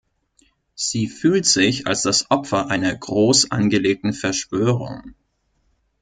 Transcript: Sie fühlt sich als das Opfer einer groß angelegten Verschwörung.